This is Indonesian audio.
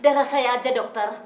darah saya aja dokter